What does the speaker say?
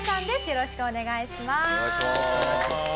よろしくお願いします。